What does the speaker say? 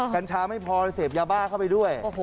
กัญชาไม่พอเลยเสพยาบ้าเข้าไปด้วย